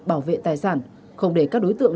bảo vệ tài sản không để các đối tượng